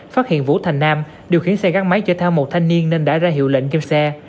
phát hiện vũ thành nam điều khiển xe gắn máy chở theo một thanh niên nên đã ra hiệu lệnh kiêm xe